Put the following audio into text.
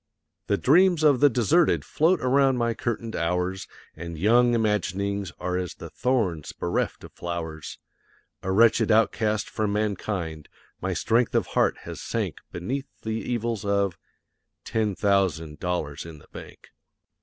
The dreams of the deserted float around my curtained hours, And young imaginings are as the thorns bereft of flowers; A wretched outcast from mankind, my strength of heart has sank Beneath the evils of ten thousand dollars in the bank.